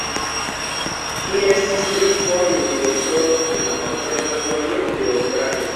Li estis tri foje direktoro de la Observatorio de Beogrado.